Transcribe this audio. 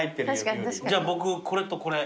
じゃあ僕これとこれ。